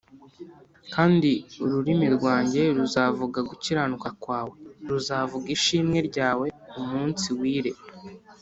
Kandi ururimi rwanjye ruzavuga gukiranuka kwawe, ruzavuga ishimwe ryawe umunsi wire